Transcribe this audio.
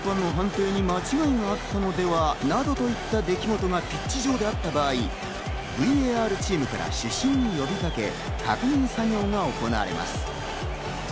審判の判定に間違いがあったのでは？などと言った出来事が、ピッチ上であった場合、ＶＡＲチームから主審に呼びかけ、確認作業が行われます。